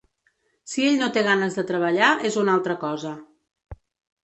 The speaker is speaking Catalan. Si ell no té ganes de treballar, és una altra cosa.